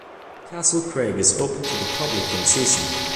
Castle Craig is open to the public in season.